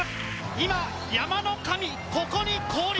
今、山の神、ここに降臨。